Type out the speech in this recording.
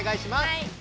はい。